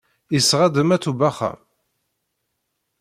Yesɣa-d Maɛṭub axxam?